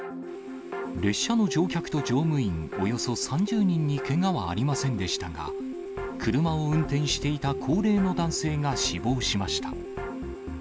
列車の乗客と乗務員およそ３０人にけがはありませんでしたが、車を運転していた高齢の男性が死亡しました。